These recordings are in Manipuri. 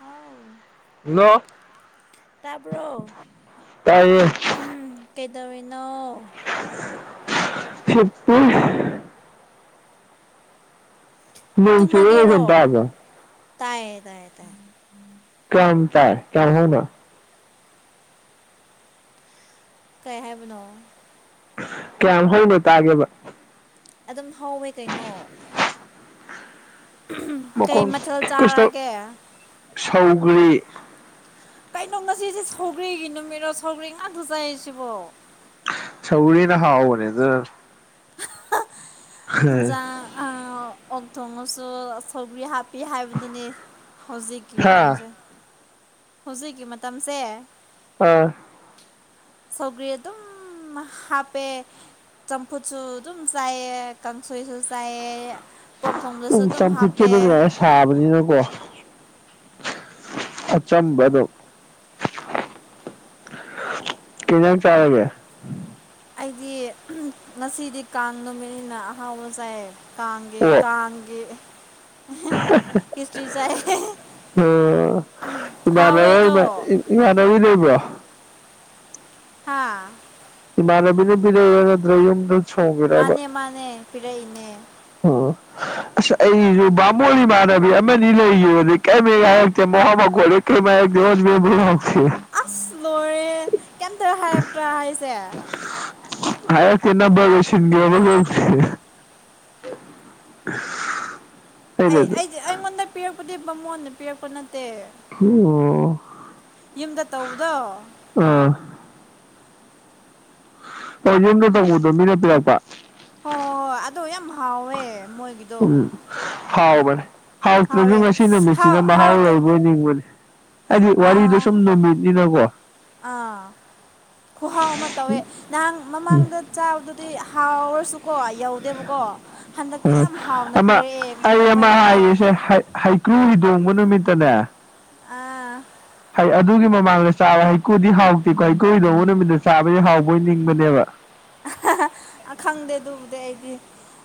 ꯍꯥꯎ ꯍꯜꯂꯣ ꯇꯥꯕ꯭ꯔꯣ ꯇꯥꯏꯌꯦ ꯀꯩꯗꯧꯔꯤꯅꯣ ꯍꯤꯞꯄꯤ ꯅꯣꯡ ꯆꯨꯕꯩ ꯇꯨꯝꯃꯥꯒꯦꯔꯣ ꯃꯈꯣꯟ ꯇꯥꯕ꯭ꯔꯣ ꯇꯥꯏꯌꯦ ꯇꯥꯏꯌꯦ ꯇꯥꯏꯌꯦ ꯀꯌꯥꯝ ꯇꯥꯏ ꯀꯌꯥꯝ ꯍꯧꯅ ꯀꯩ ꯍꯥꯏꯕꯅꯣ ꯀꯌꯥꯝ ꯍꯧꯅ ꯇꯥꯒꯦꯕ ꯑꯗꯨꯝ ꯍꯧꯋꯦ ꯀꯩꯅꯣ [unintelligible] ꯀꯩ ꯃꯈꯣꯟ ꯃꯊꯦꯜ ꯀꯩꯁꯨ ꯆꯥꯔꯒꯦ ꯁꯧꯒ꯭ꯔꯤ ꯀꯩꯅꯣ ꯉꯁꯤꯁꯦ ꯁꯧꯒ꯭ꯔꯤꯒꯤ ꯅꯨꯃꯤꯠꯔꯣ ꯁꯧꯒ꯭ꯔꯤꯒꯤ ꯉꯥꯛꯇ ꯆꯥꯏꯑꯦ ꯁꯤꯕꯣ ꯁꯧꯒ꯭ꯔꯤ ꯅ ꯍꯥꯎꯕꯅꯦ ꯑꯗꯨꯅꯅꯦ [unintelligible] ꯏꯟꯖꯥꯡ ꯑꯥ ꯑꯣꯛ ꯊꯣꯡꯉꯁꯨ ꯁꯧꯒ꯭ꯔꯤ ꯍꯥꯞ ꯄꯤ ꯍꯥꯏꯕꯗꯨꯅꯤ ꯍꯧꯖꯤꯛꯀꯤ ꯍꯥ ꯃꯇꯝꯁꯦ ꯍꯧꯖꯤꯛꯀꯤ ꯃꯇꯝꯁꯦ ꯑꯥ ꯁꯧꯒ꯭ꯔꯤ ꯑꯗꯨꯝ ꯍꯥꯞꯄꯦ ꯆꯝꯐꯨꯠꯁꯨ ꯑꯗꯨꯝ ꯆꯥꯏꯌꯦ ꯀꯥꯡꯁꯣꯏꯁꯨ ꯆꯥꯏꯌꯦ ꯄꯣꯛ ꯊꯣꯡꯕꯗꯁꯨ ꯎꯝ ꯑꯗꯨꯝ ꯆꯝꯐꯨꯠꯁꯨ ꯍꯥꯞꯄꯦ ꯑꯗꯨꯝ ꯌꯥꯔꯦ ꯁꯥꯕꯅꯤꯅꯀꯣ ꯑꯆꯝꯕ ꯑꯗꯨꯝ ꯀꯩ ꯏꯟꯖꯥꯡ ꯆꯥꯔꯒꯦ ꯑꯩꯗꯤ ꯉꯁꯤꯗꯤ ꯀꯥꯡ ꯅꯨꯃꯤꯠꯅꯤꯅ ꯑꯍꯥꯎꯕ ꯆꯥꯑꯦ ꯀꯥꯡꯒꯤ ꯑꯣꯛ ꯀꯥꯡꯒꯤ ꯈꯦꯆ꯭ꯔꯤ ꯆꯥꯏꯌꯦ ꯑꯥ ꯍꯥꯎꯋꯦ ꯑꯗꯣ ꯏꯃꯥꯟꯅꯕ ꯏꯃꯥꯟꯅꯕꯤ ꯂꯩꯕ꯭ꯔꯣ ꯍꯥꯥ ꯏꯃꯥꯅꯕꯤꯅ ꯄꯤꯔꯩꯌꯥ ꯅꯠꯇ꯭ꯔ ꯌꯨꯝꯗ ꯊꯣꯡꯉꯤꯔꯕ ꯃꯥꯅꯦ ꯃꯥꯅꯦ ꯄꯤꯔꯛꯏꯅꯦ ꯑꯣ ꯑꯁ ꯑꯩꯖꯨ ꯕꯥꯃꯣꯟ ꯏꯃꯥꯟꯅꯕꯤ ꯑꯃꯅꯤ ꯂꯩꯒꯤꯕꯅꯦ ꯀꯩꯃ ꯍꯥꯏꯔꯛꯇꯦ ꯃꯋꯥ ꯃꯈꯣꯜ ꯀꯩꯝ ꯍꯥꯏꯔꯛꯇꯦ ꯍꯣꯏ ꯃꯦꯟꯕꯨ ꯂꯥꯎꯗꯦ ꯑꯁ ꯂꯣꯏꯔꯦꯍꯦ ꯀꯩꯝꯇꯒ ꯍꯥꯏꯔꯛꯇ꯭ꯔꯥ ꯍꯥꯏꯁꯦ ꯍꯥꯏꯔꯛꯇꯦ ꯅꯝꯕꯔ ꯒ ꯁꯤꯟꯒ꯭ꯔꯕ ꯈꯪꯗꯦ [unintelligible] ꯑꯩ ꯑꯩꯅꯁꯨ ꯑꯩꯗꯤ ꯑꯩꯉꯣꯟꯗ ꯄꯤꯔꯛꯄꯗꯤ ꯕꯥꯃꯣꯟꯅ ꯄꯤꯔꯛꯄ ꯅꯠꯇꯦ ꯑꯣ ꯌꯨꯝꯗ ꯇꯧꯕꯗꯣ ꯑꯥ ꯕꯥꯃꯣꯟꯅ ꯇꯧꯕꯗꯣ ꯃꯤꯅ ꯄꯤꯔꯛꯄ ꯍꯣꯏ ꯍꯣꯏ ꯑꯗꯣ ꯌꯥꯝ ꯍꯥꯎꯋꯦ ꯃꯣꯏꯒꯤ ꯎꯝ ꯍꯥꯎꯕꯅꯦ ꯍꯥꯎꯇ꯭ꯔꯖꯨ ꯍꯥꯎꯋꯦ ꯉꯁꯤ ꯍꯥꯎ ꯅꯨꯃꯤꯠꯁꯤꯅ ꯃꯍꯥꯎ ꯍꯥꯎꯇꯕ ꯂꯩꯕꯣꯏ ꯅꯤꯡꯕꯅꯤ ꯍꯥꯏꯗꯤ ꯋꯥꯔꯤꯗꯣ ꯑꯥ ꯁꯨꯝ ꯅꯨꯃꯤꯠꯅꯤꯅꯀꯣ ꯑꯥ ꯈꯨꯍꯥꯎ ꯑꯃ ꯇꯧꯋꯦ ꯅꯍꯥꯟ ꯃꯃꯥꯡꯗ ꯆꯥꯕꯗꯨꯗꯤ ꯍꯥꯎꯔꯁꯨꯀꯣ ꯌꯧꯗꯦꯕꯀꯣ ꯍꯟꯗꯛꯇꯤ ꯎꯝ ꯌꯥꯝ ꯍꯥꯎꯅ ꯑꯃ ꯄꯤꯔꯛꯑꯦ ꯑꯩ ꯃꯣꯏ ꯑꯃ ꯃꯃꯥ ꯍꯥꯏꯒꯦꯁꯦ ꯍꯩꯀ꯭ꯔꯨ ꯍꯤꯗꯣꯡꯕ ꯅꯨꯃꯤꯠꯇꯅꯦ ꯑꯥ ꯍꯩ ꯑꯗꯨꯒꯤ ꯃꯃꯥꯡꯗ ꯆꯥꯕ ꯍꯩꯀꯨꯗꯤ ꯍꯥꯎꯇꯦꯀꯣ ꯍꯩꯀꯨ ꯍꯤꯗꯣꯡꯕ ꯅꯨꯃꯤꯠꯇ ꯆꯥꯕꯗꯤ ꯍꯥꯎꯕꯣꯏ ꯅꯤꯡꯕꯅꯦꯕ ꯍꯥꯍꯥ ꯈꯪꯗꯦ ꯑꯗꯨꯕꯨꯗꯤ ꯑꯩꯗꯤ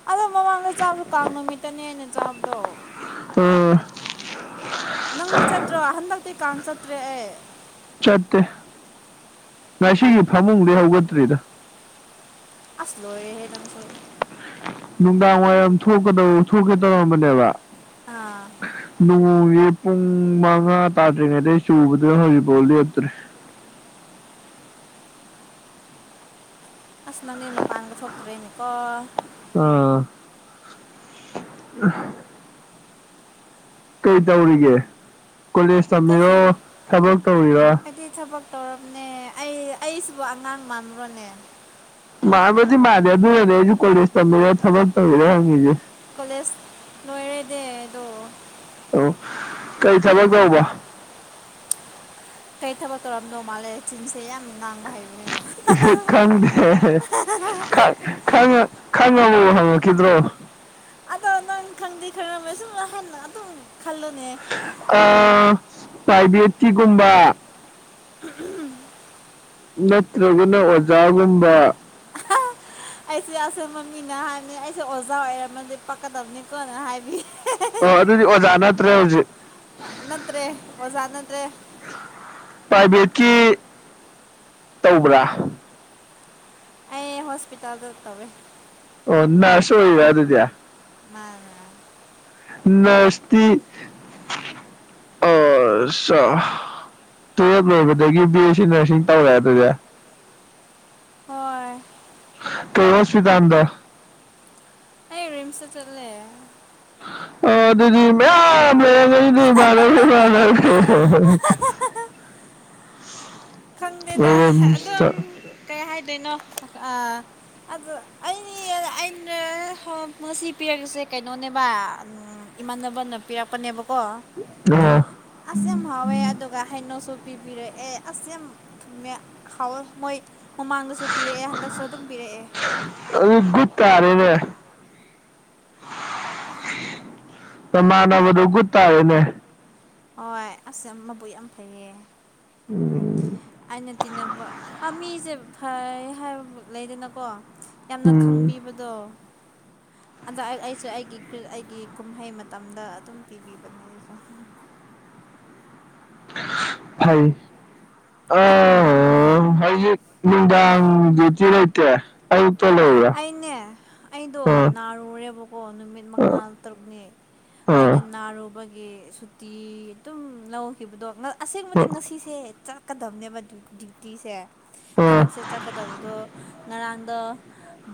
ꯑꯗꯣ ꯃꯃꯥꯡꯗ ꯆꯥꯕꯗꯣ ꯀꯥꯡ ꯅꯨꯃꯤꯠꯇꯅꯦ ꯑꯩꯅ ꯆꯥꯕꯗꯣ ꯑ ꯅꯪꯗꯤ ꯆꯠꯇ꯭ꯔꯣ ꯍꯟꯗꯛꯇꯤ ꯀꯥꯡ ꯆꯠꯇ꯭ꯔꯦ ꯑꯩ ꯆꯠꯇꯦ ꯉꯁꯤꯒꯤ ꯐꯃꯨꯡꯗꯩ ꯍꯧꯒꯠꯇ꯭ꯔꯤꯗ ꯑꯁ ꯂꯣꯏꯔꯦ ꯍꯦ ꯅꯪꯁꯨ ꯅꯨꯡꯗꯥꯡ ꯋꯥꯏꯔꯝ ꯊꯣꯛꯀꯗꯧ ꯊꯣꯛꯀꯦ ꯇꯧꯔꯝꯕꯅꯦꯕ ꯑꯥ ꯅꯣꯡꯖꯦ ꯄꯨꯡ ꯃꯉꯥ ꯇꯥꯗ꯭ꯔꯤꯉꯩꯗꯩ ꯆꯨꯕꯗꯨꯅ ꯍꯧꯖꯤꯛꯐꯥꯎ ꯂꯦꯞꯇ꯭ꯔꯤ ꯑꯁ ꯅꯪꯗꯤ ꯃꯄꯥꯟꯒ ꯊꯣꯛꯇꯔꯦꯅꯤꯀꯣ ꯑꯥ ꯀꯩ ꯇꯧꯔꯤꯒꯦ ꯀꯣꯂꯦꯖ ꯇꯝꯃꯤꯔꯣ ꯊꯕꯛ ꯇꯧꯔꯤꯔꯥ ꯀꯔꯤ ꯊꯕꯛ ꯇꯧꯔꯝꯅꯦ ꯑꯩ ꯑꯩꯁꯤꯕꯨ ꯑꯉꯥꯡ ꯃꯥꯟꯕꯔꯣꯅꯦ ꯃꯥꯟꯕꯨꯗꯤ ꯃꯥꯥꯟꯗꯦ ꯑꯗꯨꯅꯅꯦ ꯑꯩꯖꯨ ꯀꯣꯂꯦꯖ ꯇꯝꯃꯤꯔ ꯊꯕꯛ ꯇꯧꯔꯤꯔ ꯍꯪꯉꯤꯖꯦ ꯀꯣꯂꯦꯖ ꯂꯣꯏꯔꯦꯗꯦ ꯑꯗꯣ ꯑꯣ ꯀꯩ ꯊꯕꯛ ꯇꯧꯕ ꯀꯩ ꯊꯕꯛ ꯇꯧꯔꯝꯗꯧ ꯃꯥꯜꯂꯤ ꯆꯤꯟꯁꯦ ꯌꯥꯝꯅ ꯉꯥꯡꯕ ꯍꯩ ꯈꯪꯗꯦ ꯈꯪ ꯈꯪꯉ ꯈꯪꯉꯒꯕꯨ ꯍꯪꯉꯤꯈꯤꯗ꯭ꯔꯣ ꯑꯗꯣ ꯅꯪ ꯈꯪꯗꯦ [unintelligible] ꯑꯗꯨꯝ ꯈꯜꯂꯣꯅꯦ ꯑꯥ ꯄꯔꯥꯏꯕꯦꯠꯀꯤ ꯒꯨꯝꯕ [unintelligible] ꯅꯠꯇ꯭ꯔꯒꯅ ꯑꯣꯖꯥꯒꯨꯝꯕ [unintelligible] ꯑꯩꯁꯦ ꯑꯁꯦꯝꯕ ꯃꯤꯅ ꯍꯥꯏꯕꯅꯤ ꯑꯩꯁꯦ ꯑꯣꯖꯥ ꯑꯣꯏꯔꯝꯃꯗꯤ ꯄꯥꯛꯀꯗꯕꯅꯤꯀꯣꯅ ꯍꯥꯏꯕꯤ ꯑꯣ ꯑꯗꯨꯗꯤ ꯑꯣꯖꯥ ꯅꯠꯇ꯭ꯔꯦ ꯍꯧꯖꯤꯛ ꯄ꯭ꯔꯥꯏꯚꯦꯠꯀꯤ ꯇꯧꯕ꯭ꯔꯥ ꯑꯩ ꯍꯣꯁꯄꯤꯇꯥꯜꯗ ꯇꯧꯋꯦ ꯑꯣ ꯅꯔꯁ ꯑꯣꯏꯔꯤꯔ ꯑꯗꯨꯗꯤ ꯃꯥꯅꯦ ꯅꯔꯁꯇꯤ ꯑꯁꯁꯥ ꯇꯨꯋꯦꯞ ꯂꯣꯏꯕꯗꯒꯤ ꯕꯤ ꯌꯦꯁꯤꯡ ꯅꯔꯁꯤꯡ ꯇꯧꯔꯦ ꯑꯗꯨꯗꯤ ꯍꯣꯏ ꯀꯩ ꯍꯣꯁꯄꯤꯇꯥꯜꯗ꯫ ꯑꯩ ꯔꯤꯝꯁꯇ ꯆꯠꯂꯦ꯫ ꯑꯣ ꯑꯗꯨꯗꯤ ꯃꯌꯥꯝ ꯂꯩꯔꯝꯒꯅꯤ [unintelligible] ꯈꯪꯗꯦꯗ ꯑꯣ ꯑꯗꯨꯝ ꯀꯩ ꯍꯥꯏꯗꯣꯏꯅꯣ ꯑ ꯑꯗꯨ ꯑꯩ ꯑꯩꯅ [unintelligible] ꯀꯩꯅꯣꯅꯦꯕ꯫ ꯏꯃꯥꯟꯅꯕꯅ ꯄꯤꯔꯛꯄꯅꯦꯕꯀꯣ꯫ [unintelligible] ꯑꯁ ꯌꯥꯝ ꯍꯥꯎꯋꯦ ꯑꯗꯨꯒ ꯍꯩꯅꯧꯁꯨ ꯄꯤꯕꯤꯔꯛꯑꯦ ꯑꯁ ꯌꯥꯝ ꯊꯨꯝꯃꯦ ꯍꯥꯎꯋꯦ ꯃꯣꯏ ꯃꯃꯥꯡꯗꯁꯨ ꯄꯤꯔꯛꯑꯦ ꯍꯟꯗꯛꯁꯨ ꯑꯗꯨꯝ ꯄꯤꯔꯛꯑꯦ꯫ ꯑꯗꯨ ꯒꯨꯠ ꯇꯥꯔꯦꯅꯦ꯫ ꯅꯃꯥꯟꯅꯕꯗꯣ ꯒꯨꯠ ꯇꯥꯔꯦꯅꯦ꯫ ꯍꯣꯏ ꯑꯁ ꯃꯕꯨꯛ ꯌꯥꯝ ꯐꯩꯌꯦ꯫ ꯎꯝ꯫ ꯑꯩꯅ ꯇꯤꯟꯅꯕ ꯑ ꯃꯤꯖꯦ ꯐꯩ ꯍꯥꯏꯕ ꯂꯩꯗꯅꯀꯣ꯫ ꯌꯥꯝꯅ ꯎꯝ ꯈꯪꯕꯤꯕꯗꯣ꯫ ꯑꯗꯣ ꯑꯩꯁꯨ ꯑꯩꯒꯤ ꯑꯩꯒꯤ ꯀꯨꯝꯍꯩ ꯃꯇꯝꯗ ꯑꯗꯨꯝ ꯄꯤꯕꯤꯕꯅꯦ ꯑꯩꯁꯨ꯫ ꯐꯩ꯫ ꯑ ꯍꯧꯖꯤꯛ ꯅꯨꯡꯗꯥꯡ ꯗꯤꯌꯨꯇꯤ ꯂꯩꯇꯦ꯫ ꯑꯌꯨꯛꯇ ꯂꯩꯌꯦ꯫ ꯑꯩꯅꯦ ꯑꯩꯗꯣ ꯅꯥꯔꯨꯔꯦꯕꯀꯣ ꯅꯨꯃꯤꯠ ꯃꯉꯥ ꯑꯥ ꯇꯔꯨꯛꯅꯤ ꯑꯩꯅ ꯑꯥ ꯅꯥꯔꯨꯕꯒꯤ ꯁꯨꯇꯤ ꯑꯗꯨꯝ ꯂꯧ ꯈꯤꯕꯗꯣ ꯑꯁꯦꯡꯕꯗꯤ ꯉꯁꯤꯁꯦ ꯆꯠꯀꯗꯕꯅꯦꯕ ꯗ꯭ꯌꯨꯇꯤꯁꯦ ꯑꯥ ꯊꯕꯛꯁꯦ ꯆꯠꯀꯗꯕꯗꯣ ꯉꯔꯥꯡꯗꯣ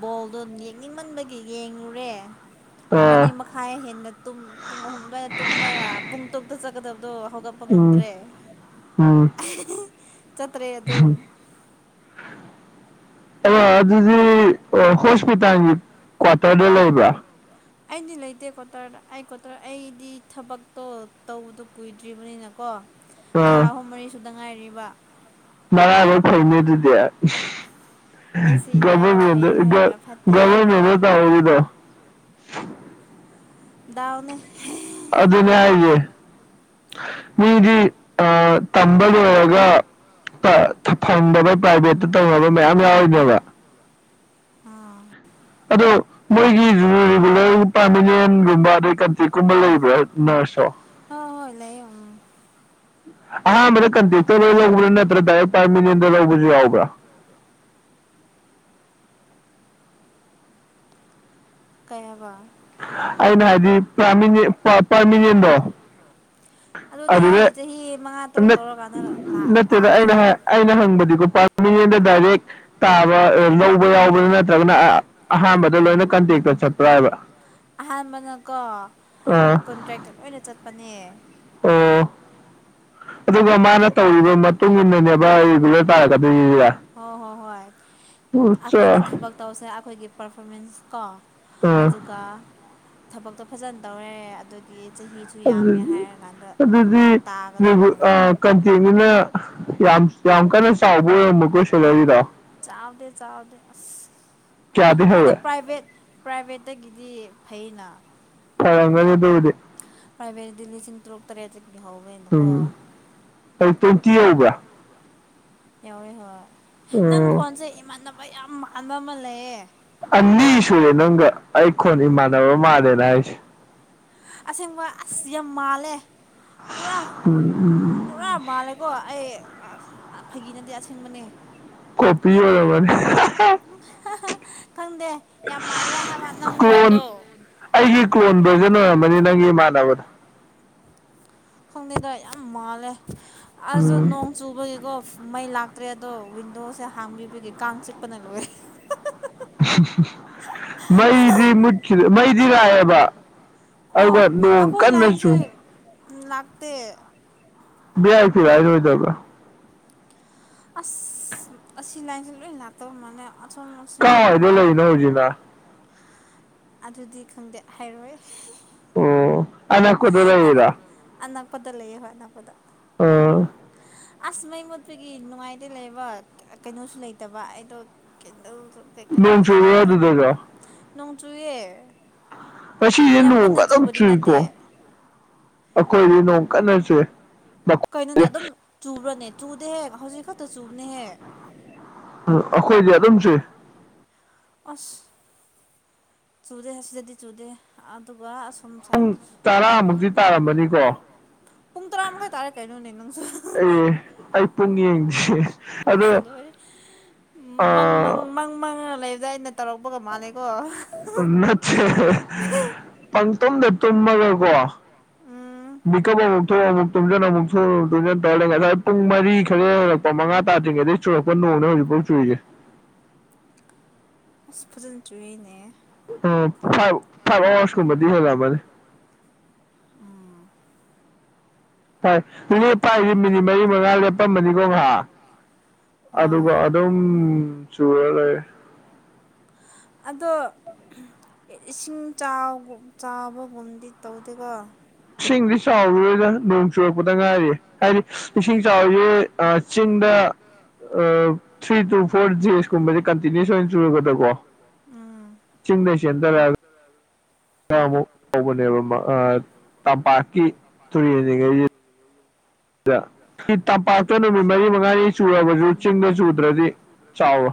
ꯕꯣꯜꯗꯣ ꯌꯦꯡꯅꯤꯡꯃꯟꯕꯒꯤ ꯌꯦꯡꯉꯨꯔꯦ ꯄꯨꯡ ꯑꯥ ꯑꯅꯤ ꯃꯈꯥꯏ ꯈꯥꯏ ꯍꯦꯟꯅ ꯇꯨꯝ ꯄꯨꯡ ꯑꯍꯨꯝ ꯑꯗꯨꯋꯥꯏꯗ ꯇꯨꯝꯕ ꯄꯨꯡ ꯇꯔꯨꯛꯇ ꯆꯠꯀꯗꯕꯗꯣ ꯍꯧ ꯒꯠꯄ ꯎꯝ ꯉꯝꯗ꯭ꯔꯦ ꯎꯝ ꯆꯠꯇ꯭ꯔꯦ ꯑꯗꯨꯝ ꯑꯣ ꯑꯗꯨꯗꯤ ꯍꯣꯁꯄꯤꯇꯥꯜꯒꯤ ꯀ꯭ꯋꯥꯇꯔꯗ ꯂꯩꯕ꯭ꯔꯥ ꯑꯩꯗꯤ ꯂꯩꯇꯦ ꯀ꯭ꯋꯥꯇꯔꯗ ꯑꯩ ꯀ꯭ꯋꯥꯇꯔ ꯑꯩꯗꯤ ꯊꯕꯛꯇꯣ ꯇꯧꯕꯗꯣ ꯀꯨꯏꯗ꯭ꯔꯤꯕꯅꯤꯅꯀꯣ ꯊꯥ ꯑꯥ ꯑꯍꯨꯝ ꯃꯔꯤ ꯁꯨꯗ ꯉꯥꯏꯔꯤꯕ ꯃꯔꯥꯏꯕꯛ ꯐꯩꯅꯦ ꯑꯗꯨꯗꯤ ꯑꯩꯁꯤ ꯏꯔꯥꯏꯕ ꯐꯩ ꯒꯣꯕꯔꯃꯦꯟꯠꯗ ꯍꯥꯏꯗꯣꯏꯔꯥ ꯐꯠꯇꯦ ꯍꯥꯏꯗꯣꯏꯔꯥ ꯇꯧꯍꯧꯔꯤꯗꯣ ꯗꯥꯎꯅꯦ ꯑꯗꯨꯅꯦ ꯍꯥꯏꯁꯦ ꯃꯤꯗꯤ ꯑ ꯇꯝꯕ ꯂꯣꯏꯔꯒ ꯐꯪꯗꯕ ꯄ꯭ꯔꯥꯏꯚꯦꯠꯇ ꯇꯧꯅꯕ ꯃꯌꯥꯝ ꯌꯥꯎꯔꯤꯅꯦꯕ ꯑꯥ ꯑꯗꯨ ꯃꯣꯏꯒꯤ ꯔꯤꯒꯨꯂꯔ ꯄꯥꯔꯃꯤꯅꯦꯟꯒꯨꯝꯕ ꯑꯗꯩ ꯀꯟꯇ꯭ꯔꯤꯛꯀꯨꯝꯕ ꯂꯩꯕ꯭ꯔꯥ ꯅꯔꯁꯁꯨ ꯍ ꯍꯣꯏ ꯂꯩꯌꯦ ꯑꯍꯥꯟꯕꯗ ꯀꯟꯇꯦꯛꯗ ꯂꯧꯕ꯭ꯔꯥ ꯅꯠꯇ꯭ꯔꯥ ꯗꯥꯏꯔꯦꯛ ꯄꯥꯔꯃꯤꯅꯦꯟꯗ ꯂꯧꯕꯁꯨ ꯌꯥꯎꯕ꯭ꯔꯥ ꯀꯩ ꯍꯥꯏꯕ ꯑꯩꯅ ꯍꯥꯏꯗꯤ ꯄꯔꯃꯤꯅꯦꯟꯗꯣ ꯑꯗꯨꯗꯤ ꯆꯍꯤ ꯃꯉꯥ ꯇꯔꯨꯛ ꯅꯠ ꯇꯧꯔꯀꯥꯟꯗ ꯅꯠꯇꯦꯗ ꯑꯩꯅ ꯇꯥꯒꯗꯕ ꯍꯥꯏ ꯑꯩꯅ ꯍꯪꯕꯗꯤꯀꯣ ꯄꯥꯔꯃꯤꯅꯦꯟꯗ ꯗꯥꯏꯔꯦꯛ ꯇꯥꯕ ꯂꯧꯕ ꯌꯥꯎꯕꯔꯥ ꯅꯠꯇ꯭ꯔꯒꯅ ꯑꯍꯥꯟꯕꯗ ꯂꯣꯏꯅ ꯀꯟꯇꯦꯛꯇ ꯆꯠꯄ꯭ꯔꯥ ꯍꯥꯏꯕ ꯑꯍꯥꯟꯕꯅꯀꯣ ꯑ ꯀꯣꯟꯇ꯭ꯔꯦꯛꯇ ꯂꯣꯏꯅ ꯆꯠꯄꯅꯦ ꯑꯣ ꯑꯗꯨꯒ ꯃꯥꯅ ꯇꯧꯔꯤꯕ ꯃꯇꯨꯡ ꯏꯟꯅꯅꯦꯕ ꯔꯤꯒꯨꯂꯔ ꯇꯥꯔꯛꯀꯗꯣꯏꯁꯦ ꯍꯣꯏ ꯍꯣꯏ ꯍꯣꯏ ꯑꯩꯈꯣꯏꯅ ꯊꯕꯛ ꯇꯧꯁꯦ ꯑꯩꯈꯣꯏꯒꯤ ꯄꯔꯐꯣꯔꯃꯦꯟꯁ ꯀꯣ ꯑ ꯑꯗꯨꯒ ꯊꯕꯛꯇꯣ ꯐꯖꯅ ꯇꯧꯔꯦ ꯑꯗꯨꯒꯤ ꯃꯤꯁꯨ ꯌꯥꯝꯃꯦ ꯑꯗꯨꯗꯤ ꯍꯥꯏꯔꯀꯥꯟꯗ ꯇꯥꯒꯗꯕꯅꯦꯅ ꯀꯝꯇꯦꯛꯅꯤꯅ ꯌꯥꯝ ꯌꯥꯝ ꯀꯟꯅ ꯆꯥꯎꯕ ꯑꯣꯏꯔꯃꯀꯣ ꯁꯦꯂꯔꯤꯗꯣ ꯆꯥꯎꯗꯦ ꯆꯥꯎꯗꯦ ꯑꯁ ꯀꯌꯥꯗꯤ ꯑꯗꯣ ꯍꯧꯋꯦ ꯄ꯭ꯔꯥꯏꯚꯦꯠ ꯄ꯭ꯔꯥꯏꯚꯦꯠꯇꯒꯤꯗꯤ ꯐꯩꯅ ꯐꯔꯡꯒꯅꯤ ꯑꯗꯨꯕꯨꯗꯤ ꯄ꯭ꯔꯥꯏꯚꯦꯠꯗꯤ ꯂꯤꯁꯤꯡ ꯇꯔꯨꯛ ꯇꯔꯦꯠꯇꯒꯤꯍꯧ ꯎꯝ ꯑꯩ ꯇ꯭ꯋꯦꯟꯇꯤ ꯌꯧꯕ꯭ꯔꯥ ꯍꯣꯢ ꯍꯣꯏ ꯅꯪ ꯎꯝ ꯈꯣꯟꯁꯦ ꯏꯃꯥꯟꯅꯕ ꯌꯥꯝ ꯃꯥꯟꯅꯕ ꯑꯃ ꯂꯩꯌꯦ ꯑꯅꯤ ꯁꯨꯔꯦ ꯅꯪꯒ ꯑꯩꯈꯣꯟ ꯏꯃꯥꯟꯅꯕ ꯃꯥꯜꯂꯦꯅ ꯍꯥꯏꯁꯦ ꯑꯁꯦꯡꯕ ꯑꯁ ꯌꯥꯝ ꯃꯥꯜꯂꯦ ꯄꯨꯔꯥ ꯄꯨꯔꯥ ꯃꯥꯜꯂꯦ ꯑꯩ ꯐꯥꯒꯤꯅꯗꯦ ꯑꯁꯦꯡꯕꯅꯦ ꯀꯣꯄꯤ ꯑꯣꯏꯒ ꯃꯥꯅꯤ [unintelligible] ꯈꯪꯗꯦ ꯌꯥꯝ ꯃꯥꯜꯂꯦ ꯍꯥꯏꯕ ꯅꯪ ꯀ꯭ꯂꯣꯟ ꯀꯣꯟꯗꯣ ꯑꯩꯒꯤ ꯀꯣꯟꯕꯁꯨ ꯅ ꯑꯣꯏꯔꯝꯃꯅꯤ ꯅꯪꯒꯤ ꯏꯃꯥꯟꯅꯕꯗꯣ ꯈꯪꯗꯦꯗ ꯌꯥꯝ ꯃꯥꯜꯂꯦ ꯑꯁꯁꯨ ꯎꯝ ꯅꯣꯡ ꯆꯨꯕꯒꯤꯀꯣ ꯃꯩ ꯂꯥꯛꯇ꯭ꯔꯦ ꯑꯗꯣ ꯋꯤꯟꯗꯣꯁꯦ ꯍꯥꯡꯕꯤꯕꯒꯤ ꯀꯥꯡ ꯆꯤꯛꯄꯅ ꯂꯣꯏ ꯃꯩꯗꯤ ꯃꯨꯠꯈꯤꯗ ꯃꯩꯗꯤ ꯂꯥꯛꯑꯦꯕ ꯑꯣ ꯑꯔꯕ ꯅꯣꯡ ꯑꯩꯈꯣꯏ ꯀꯟꯅ ꯂꯥꯏꯟꯁꯦ ꯆꯨꯢ ꯂꯥꯛꯇꯦ ꯌꯥꯁꯤ ꯍꯥꯏꯥꯏ ꯑꯣꯏꯗꯔꯒ [unintelligible] ꯑꯁ ꯑꯁꯤ ꯂꯥꯟꯁꯤ ꯂꯣꯏ ꯂꯥꯛꯇ ꯃꯥꯜꯂꯦ ꯑꯁꯣꯝ ꯁꯨꯝꯗꯔꯣꯝ ꯀꯥꯏꯗ ꯂꯩꯅꯣ ꯍꯧꯖꯤꯛꯅ ꯑꯗꯨꯗꯤ ꯈꯪꯗꯦ ꯍꯥꯏꯔꯣꯏ ꯑꯣ ꯑꯅꯛꯄꯗ ꯂꯩꯔꯤꯔꯥ ꯑꯅꯛꯄꯗ ꯂꯩꯌꯦ ꯍꯣꯏ ꯑꯅꯛꯄꯗ ꯑꯣ ꯑꯁ ꯃꯩ ꯃꯨꯠꯄꯒꯤ ꯅꯨꯡꯉꯥꯏꯇꯦ ꯂꯩꯕ ꯀꯩꯅꯣꯁꯨ ꯂꯩꯇꯕ ꯑꯩꯗꯣ ꯀꯗꯣꯁꯨ [unintelligible] ꯅꯣꯡ ꯆꯨꯕꯔ ꯑꯗꯨꯗꯖꯨ ꯅꯣꯡ ꯆꯨꯏꯌꯦ ꯃꯁꯤꯁꯦ ꯅꯣꯡꯒ ꯑꯗꯨꯝ ꯆꯨꯏꯀꯣ ꯅꯠꯇꯦ ꯑꯩꯈꯣꯏꯗꯤ ꯅꯣꯡ ꯀꯟꯅ ꯆꯨꯢ ꯀꯩꯅꯣꯅꯦ ꯑꯗꯨꯝ ꯆꯨꯕ꯭ꯔꯅꯦ ꯆꯨꯗꯦꯍꯦ ꯍꯧꯖꯤꯛ ꯈꯛꯇ ꯆꯨꯕꯅꯦꯍꯦ ꯑꯩꯈꯣꯏꯗꯤ ꯑꯗꯨꯝ ꯆꯨꯏ ꯑꯁ ꯆꯨꯗꯦ ꯑꯁꯤꯗꯗꯤ ꯆꯨꯗꯦ ꯑꯗꯨꯒ ꯑꯁ ꯄꯨꯡ ꯇꯔꯥꯃꯨꯛꯇꯤ ꯇꯥꯔꯝꯕꯅꯤꯀꯣ ꯄꯨꯡ ꯇꯔꯥ ꯃꯈꯥꯏ ꯇꯥꯔꯦ ꯀꯩꯅꯣꯅꯦ ꯅꯪꯁꯨ ꯑꯣ ꯑꯩ ꯄꯨꯡ ꯌꯦꯡꯗꯤꯌ ꯑꯗꯣ ꯎ ꯑ ꯃꯪ ꯃꯪ ꯃꯪ ꯃꯪ ꯂꯩꯕꯖ ꯑꯩꯅ ꯇꯧꯔꯛꯄꯒ ꯃꯥꯜꯂꯦꯀꯣ ꯅꯠꯇꯦ ꯄꯪꯇꯣꯝꯗ ꯇꯨꯝꯃꯒꯀꯣ ꯑꯥ ꯃꯤꯀꯞ ꯑꯃꯨꯛ ꯊꯣꯛ ꯑꯃꯨꯛ ꯇꯨꯝꯁꯤꯟ ꯑꯃꯨꯛꯁꯨ ꯇꯨꯝꯖꯟ ꯇꯧꯔ ꯂꯩ ꯉꯁꯥꯏ ꯄꯨꯡ ꯃꯔꯤ ꯈꯔ ꯍꯦꯟꯔꯛꯄ ꯃꯉꯥ ꯇꯥꯗ꯭ꯔꯤꯉꯩꯗꯩ ꯆꯨꯂꯛꯄ ꯅꯣꯡꯁꯦ ꯍꯧꯖꯤꯛꯐꯥꯎ ꯆꯨꯔꯤꯌꯦ ꯑ ꯐꯖꯅ ꯆ꯭ꯨꯏꯅꯦ ꯎ ꯐꯥꯏꯚ ꯐꯥꯏꯚ ꯑꯋꯥꯔꯁꯀꯨꯝꯕꯗꯤ ꯍꯦꯂꯝꯂꯅꯤ ꯎꯝ ꯐꯥꯏ ꯐꯥꯏꯁꯤ ꯃꯤꯅꯤꯠ ꯃꯔꯤ ꯃꯉꯥ ꯂꯦꯞꯄꯝꯕꯅꯤꯀꯣ ꯉꯍꯥꯛ ꯑꯗꯨꯒ ꯍꯣꯏ ꯑꯗꯨꯝ ꯎꯝ ꯆꯨꯔꯂꯩꯔꯦ ꯑꯗꯣ ꯏꯁꯤꯡ ꯆꯥꯎꯕꯒꯨꯝꯗꯤ ꯇꯧꯗꯦꯀꯣ ꯏꯁꯤꯡꯗꯤ ꯆꯥꯎꯔꯔꯣꯢꯗ ꯅꯣꯡ ꯆꯨꯔꯛꯄꯗ ꯉꯥꯏꯔꯤꯌꯦ ꯍꯥꯏꯗꯤ ꯏꯁꯤꯡ ꯆꯥꯎꯔꯤꯁꯦ ꯆꯤꯡꯗ ꯊ꯭ꯔꯤ ꯇꯨ ꯐꯣꯔ ꯖꯦꯁ ꯀꯨꯝꯕꯁꯦ ꯀꯟꯇꯤꯅꯨꯁ ꯑꯣꯏꯅ ꯆꯨꯔꯒꯗꯀꯣ ꯎꯝ ꯆꯤꯡꯗꯒꯤ ꯆꯦꯗꯔꯒ ꯈ ꯑꯃꯨꯛ ꯍꯧꯕꯅꯦꯕ ꯇꯝꯄꯥꯛꯀꯤ ꯇꯨꯔꯦꯟꯜꯂꯤꯉꯩꯁꯤ [unintelligible] ꯑꯩ ꯇꯝꯄꯥꯛꯇ ꯅꯨꯃꯤꯠ ꯃꯔꯤ ꯃꯉꯥꯅꯤ ꯆꯨꯔꯕꯁꯨ ꯆꯤꯡꯗ ꯆꯨꯗ꯭ꯔꯗꯤ ꯆꯥꯎꯋꯦ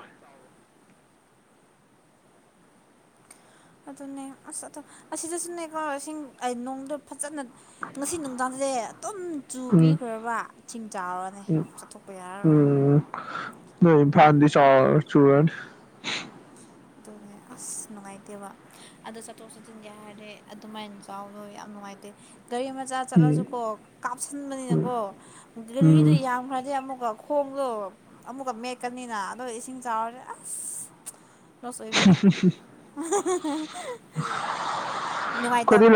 ꯑꯗꯨꯅꯦ ꯑꯁ ꯑ ꯑꯁꯤꯗꯁꯨꯅꯦ ꯀꯣ ꯏꯁꯤꯡ ꯅꯣꯡꯗ ꯐꯖꯅ ꯉꯁꯤ ꯅꯨꯡꯗꯥꯡꯁꯤꯗꯤꯦ ꯑꯗꯨꯝ ꯎꯝ ꯆꯨꯕꯤꯈ꯭ꯔꯕ ꯆꯁꯤꯡ ꯆꯥꯎꯔꯅꯦ ꯆꯠꯊꯣꯛꯄ ꯌꯥ꯭ꯔꯥ ꯅ ꯐꯥꯟꯗꯤ ꯆ ꯆꯨꯔ ꯑꯗꯨꯅꯦ ꯑꯁ ꯅꯨꯡꯉꯥꯏꯇꯦꯕ ꯑꯗꯨ ꯆꯠꯊꯣꯛ ꯆꯠꯁꯤꯟꯒꯦ ꯍꯥꯏꯔꯦ ꯑꯗꯨꯃꯥꯏꯅ ꯆꯥꯎꯕꯗꯣ ꯌꯥꯝ ꯅꯨꯡꯉꯥꯏꯇꯦ ꯒꯥꯔꯤ ꯃꯆꯥ ꯆꯠꯂꯁꯨ ꯎꯝ ꯀꯣ ꯎꯝ ꯀꯥꯞꯁꯤꯟꯕꯅꯤꯅꯀꯣ ꯒꯥꯔꯤꯗꯨ ꯎꯝ ꯌꯥꯝꯈ꯭ꯔꯗꯤ ꯑꯃꯨꯛꯀ ꯈꯣꯡꯗꯣ ꯑꯃꯨꯛꯀ ꯃꯦꯠꯀꯅꯤꯅ ꯑꯗ ꯏꯁꯤꯡ ꯆꯥꯎꯔꯁꯦ ꯑꯁ ꯔꯁꯣꯏ ꯄꯅꯦ ꯎ ꯅꯨꯡꯉꯥꯏꯇꯕ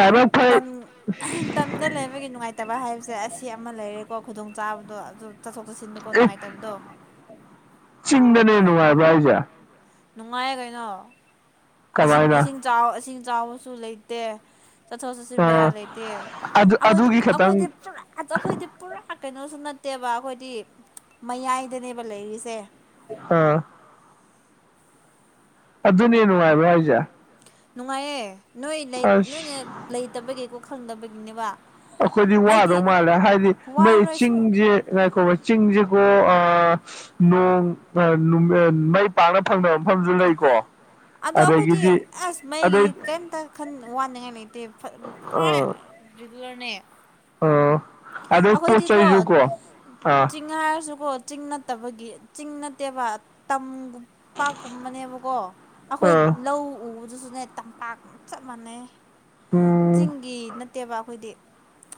ꯃꯇꯝꯗ ꯂꯩꯕꯒꯤ ꯅꯨꯡꯉꯥꯏꯇꯕ ꯍꯥꯏꯕꯁꯦ ꯑꯁꯤ ꯑꯃ ꯂꯩꯔꯦꯀꯣ ꯈꯨꯗꯣꯡ ꯆꯥꯕꯗꯣ ꯑꯗꯨ ꯆꯠꯊꯣꯛ ꯆꯠꯁꯤꯟꯗꯀꯣ ꯑꯦ ꯅꯨꯡꯉꯥꯏꯇꯕꯗꯣ ꯆꯤꯡꯗꯅꯦ ꯅꯨꯡꯉꯥꯏꯕ꯭ꯔꯥ ꯑꯩꯁꯦ ꯅꯨꯡꯉꯥꯏꯌꯦ ꯀꯩꯅꯣ ꯏꯁꯤꯡ ꯀꯃꯥꯏꯅ ꯏꯁꯤꯡ ꯆꯥꯎ ꯏꯁꯤꯡ ꯆꯥꯎꯕꯁꯨ ꯂꯩꯇꯦ ꯆꯠꯊꯣꯛ ꯆꯠꯁꯤꯟ ꯕꯦꯔꯥ ꯑ ꯂꯩꯇꯦ ꯑꯗꯨ ꯑꯩꯈꯣꯏꯗꯤ ꯑꯗꯨꯒꯤ ꯈꯇꯪ ꯑꯩꯈꯣꯏꯗꯤ ꯄꯨꯔꯥ ꯑꯩꯈꯣꯏꯗꯤ ꯄꯨꯔꯥ ꯀꯩꯅꯣꯁꯨ ꯅꯠꯇꯦꯕ ꯑꯩꯈꯣꯏꯗꯤ ꯃꯌꯥꯏꯗꯅꯦꯕ ꯂꯩꯔꯤꯁꯦ ꯑꯥ ꯑꯗꯨꯅꯦ ꯅꯨꯡꯉꯥꯏꯕ ꯍꯥꯏꯁꯦ ꯅꯨꯡꯉꯥꯏꯌꯦ ꯅꯣꯏ ꯂꯩ ꯅꯣꯏꯅ ꯑꯁ ꯂꯩꯇꯕꯒꯤꯀꯣ ꯈꯪꯗꯕꯒꯤꯅꯦꯕ ꯑꯈꯣꯏꯗꯤ ꯋꯥꯗꯧ ꯑꯩꯗꯤ ꯃꯥꯜꯂꯦ ꯍꯥꯏꯗꯤ ꯃꯣꯏ ꯋꯥꯔꯣꯏ ꯁꯨꯡ ꯆꯤꯡꯖ‌ꯦ ꯉꯥꯏꯈꯣꯕ ꯆꯤꯡꯖꯦꯀꯣ ꯑꯥ ꯅꯣꯡ ꯑꯥ ꯃꯩ ꯄꯥꯛꯅ ꯐꯪꯗꯕ ꯃꯐꯝꯁꯨ ꯂꯩꯀꯣ ꯑꯗꯣ ꯑꯩꯈꯣꯏꯗꯤ ꯑꯗꯒꯤꯗꯤ ꯑꯁ ꯑꯗꯩ ꯃꯩꯒꯤꯗꯤ ꯀꯝꯇ ꯈꯟ ꯋꯥꯅꯤꯡꯉꯥꯏ ꯂꯩꯇꯦ ꯐꯠ ꯄꯔꯦ ꯑꯥ ꯔꯤꯒꯨꯂꯔꯅꯦ ꯑꯥ ꯑꯗꯩ ꯄꯣꯠ ꯑꯩꯈꯣꯏꯗꯤ ꯀꯣ ꯆꯩꯁꯨꯀꯣ ꯑꯥ ꯆꯤꯡꯉꯥꯏꯔꯁꯨꯀꯣ ꯆꯤꯡ ꯅꯠꯇꯕꯒꯤ ꯆꯤꯡ ꯅꯠꯇꯦꯕ ꯇꯝ ꯄꯥꯛꯀꯨꯝꯕꯅꯦꯕꯀꯣ ꯑꯩꯈꯣꯏ ꯑꯥ ꯂꯧ ꯎꯕꯗꯨꯁꯨꯅꯦ ꯇꯝꯄꯥꯛ ꯆꯞ ꯃꯥꯟꯅꯩꯌꯦ ꯎꯝ ꯆꯤꯡꯒꯤ ꯇꯦꯕ ꯑꯩꯈꯣꯏꯗꯤ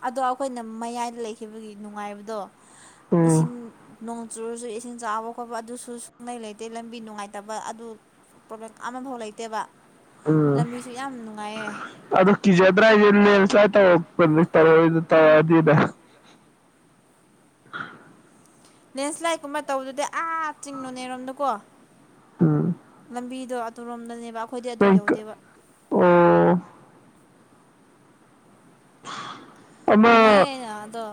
ꯑꯗꯣ ꯑꯩꯈꯣꯏꯅ ꯃꯌꯥꯏꯗ ꯂꯩꯈꯤꯕꯒꯤ ꯅꯨꯡꯉꯥꯏꯕꯗꯣ ꯎꯝ ꯏꯁꯤꯡ ꯅꯣꯡ ꯆꯨꯔꯁꯨ ꯏꯁꯤꯡ ꯆꯥꯎꯕ ꯈꯣꯠꯄ ꯑꯗꯨꯁꯨ ꯁꯨꯡꯂꯩ ꯂꯩꯇꯦ ꯂꯝꯕꯤ ꯅꯨꯡꯉꯥꯏꯇꯕ ꯑꯗꯨ ꯄ꯭ꯔꯣꯕꯂꯦꯝ ꯑꯃꯐꯥꯎ ꯂꯩꯇꯦꯕ ꯂꯝꯕꯤꯁꯨ ꯌꯥꯝ ꯅꯨꯡꯉꯥꯏꯌꯦ ꯑꯗꯨ ꯀꯤꯖꯗ꯭ꯔꯥ ꯍꯥꯏꯁꯦ ꯂꯦꯟꯁ ꯂꯥꯏꯠ ꯇꯧꯔꯛꯄꯅꯦ ꯇꯧꯔ ꯇꯧꯔꯛꯑꯅꯤꯗ ꯂꯦꯟꯁꯂꯥꯏꯠ ꯀꯨꯝꯕ ꯇꯧꯗꯨꯗꯤ ꯑꯥ ꯆꯤꯡ ꯅꯣꯅꯦꯔꯣꯝꯗꯀꯣ ꯎꯝ ꯂꯝꯕꯤꯗꯣ ꯑꯗꯨꯨꯔꯣꯝꯗꯅꯦꯕ ꯑꯩꯈꯣꯏꯗꯤ ꯑꯗꯨ ꯅꯪ ꯌꯧꯗꯦꯕ ꯑꯣ [inaudible] ꯅꯨꯡꯉꯥꯏꯌꯦꯅ ꯑꯗꯣ